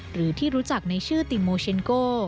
หรือที่รู้จักในชื่อติโมเชนโก